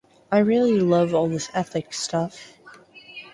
I really love all this ethics stuff.